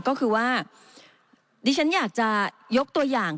ก็คือว่าสนุกที่ฉันอยากจะยกตัวอย่าง